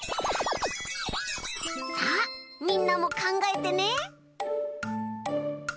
さあみんなもかんがえてね。